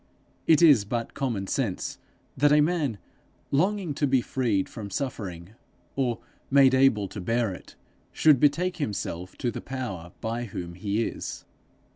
It is but common sense that a man, longing to be freed from suffering, or made able to bear it, should betake himself to the Power by whom he is.